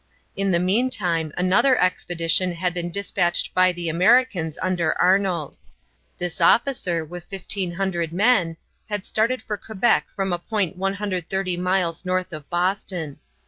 In the meantime another expedition had been dispatched by the Americans under Arnold. This officer, with 1500 men, had started for Quebec from a point 130 miles north of Boston.